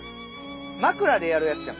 枕でやるやつやん